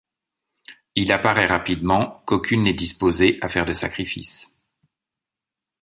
Il apparaît rapidement qu'aucune n'est disposée à faire de sacrifice.